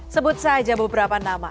sebut saja beberapa nama